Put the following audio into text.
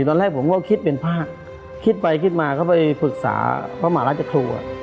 ตอนแรกผมก็คิดเป็นภาคคิดไปคิดมาเขาไปปรึกษาพระมหาราชครู